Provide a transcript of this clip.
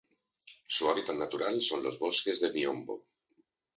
Su hábitat natural son los bosques de miombo.